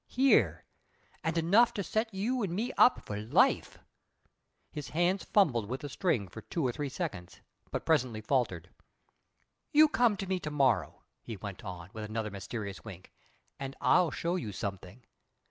"Here. And enough to set you an' me up for life." His fingers fumbled with the string for two or three seconds, but presently faltered. "You come to me to morrow," he went on, with another mysterious wink, "and I'll show you something.